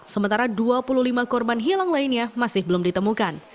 sementara dua puluh lima korban hilang lainnya masih belum ditemukan